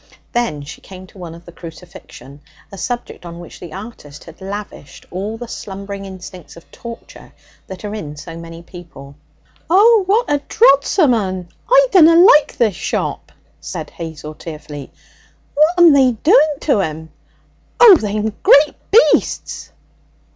Then she came to one of the Crucifixion, a subject on which the artist had lavished all the slumbering instincts of torture that are in so many people. 'Oh! what a drodsome un! I dunna like this shop,' said Hazel tearfully. 'What'm they doing to 'im? Oh, they'm great beasts!'